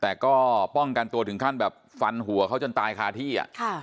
แต่ก็ป้องกันตัวถึงขั้นแบบฟันหัวเขาจนตายคาที่